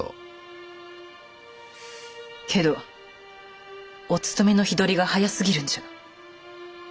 けどお盗めの日取りが早すぎるんじゃ。